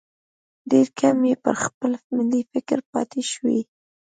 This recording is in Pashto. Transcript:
ډېر کم یې پر خپل ملي فکر پاتې شوي.